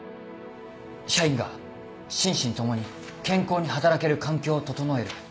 社員が心身ともに健康に働ける環境を整える。